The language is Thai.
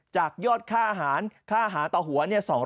ค่าอาหารค่าอาหารต่อหัว